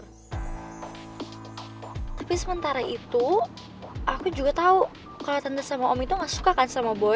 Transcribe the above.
tapi sementara itu aku juga tahu kalau tante sama om itu gak suka kan sama buaya